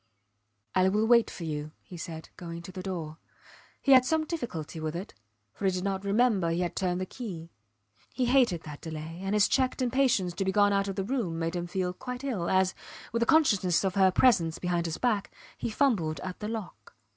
I will wait for you, he said, going to the door. He had some difficulty with it, for he did not remember he had turned the key. He hated that delay, and his checked impatience to be gone out of the room made him feel quite ill as, with the consciousness of her presence behind his back, he fumbled at the lock.